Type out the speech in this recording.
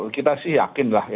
kita sih yakin lah